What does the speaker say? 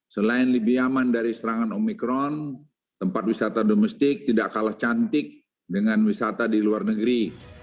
selain lebih aman dari serangan omikron tempat wisata domestik tidak kalah cantik dengan wisata di luar negeri